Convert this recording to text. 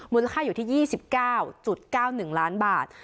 ค่าอยู่ที่๒๙๙๑ล้านบาท